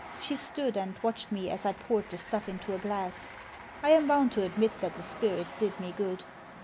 She stood and watched me as I poured the stuff into a glass. I am bound to admit that the spirit did me good.